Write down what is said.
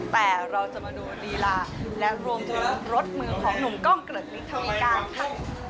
แต่เราจะมาดูลีลาและรวมถึงรสมือของหนุ่มกล้องเกริกฤทธวีการค่ะ